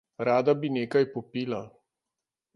Rada bi nekaj popila.